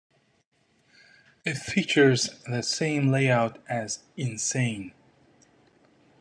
It features the same layout as "Insane".